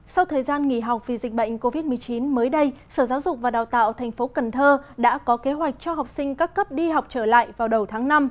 sau thời gian nghỉ học vì dịch bệnh covid một mươi chín mới đây sở giáo dục và đào tạo thành phố cần thơ đã có kế hoạch cho học sinh các cấp đi học trở lại vào đầu tháng năm